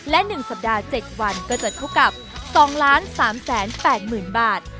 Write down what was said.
และ๑สัปดาห์๗วันก็จะเท่ากับ๒๓๘๐๐๐บาท